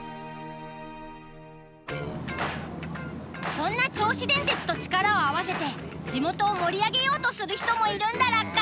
そんな銚子電鉄と力を合わせて地元を盛り上げようとする人もいるんだラッカ。